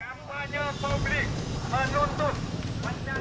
kampanye publik menuntut